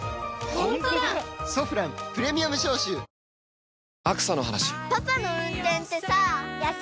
「ソフランプレミアム消臭」ん。